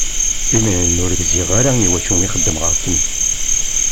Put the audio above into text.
Imiren ur gziɣ ara i wacu i xeddmeɣ akken.